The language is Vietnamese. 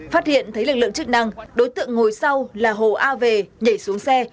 phát hiện thấy lực lượng chức năng đối tượng ngồi sau là hồ a về nhảy xuống xe